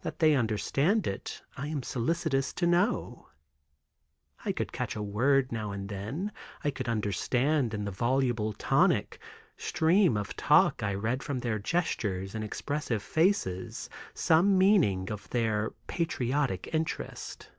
That they understand it I am solicitous to know. I could catch a word now and then. I could understand in the voluble tonic, stream of talk I read from their gestures and expressive faces some meaning of their patriotic interest.